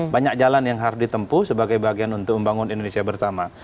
banyak jalan yang harus ditempuh sebagai bagian untuk membangun indonesia bersama